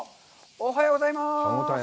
おはようございます。